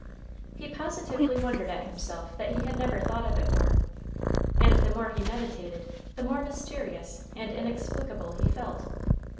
He positively wondered at himself that he had never thought of it more, and the more he meditated, the more mysterious and inexplicable he felt.